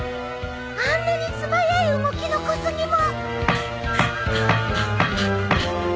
あんなに素早い動きの小杉も。